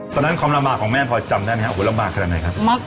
ความลำบากของแม่พลอยจำได้ไหมครับลำบากขนาดไหนครับ